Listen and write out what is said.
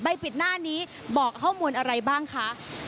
ปิดหน้านี้บอกข้อมูลอะไรบ้างคะ